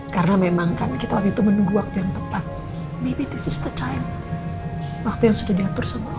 karena memang kan kita waktu itu menunggu waktu yang tepat mungkin ini adalah waktu waktu yang sudah diatur sama allah